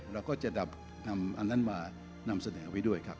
เราก็จะนำอันนั้นมานำเสนอไว้ด้วยครับ